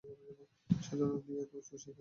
সাজানো বিয়ে তো চুষে খায়!